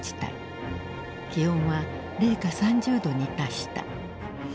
気温は零下３０度に達した。